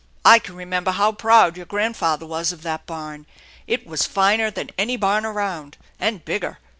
I can remember how proud your grandfather was of that barn. It was finer than any barn around, and bigger.